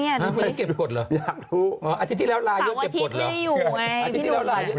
ไม่ได้เก็บกฎหรืออยากรู้สามอาทิตย์ก็ไม่ได้อยู่ไงพี่ดูหน่อย